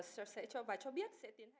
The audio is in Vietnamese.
chúng tôi sẽ cho bà cho biết